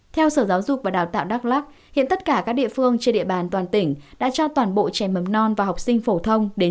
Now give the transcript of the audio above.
theo sở giáo dục và đào tạo đắk lắc hiện tất cả các địa phương trên địa bàn toàn tỉnh đã cho toàn bộ trẻ mất